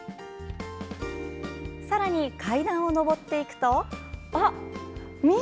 さらに、階段を上っていくと。